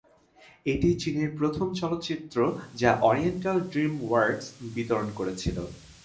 এটি চীনের প্রথম চলচ্চিত্র যা "ওরিয়েন্টাল ড্রিম ওয়ার্কস" বিতরণ করেছিল।